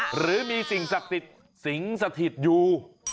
หรือมีสิงสถิตสิงสถิตอยู่